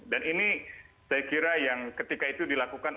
dan ini saya kira yang ketika itu dilakukan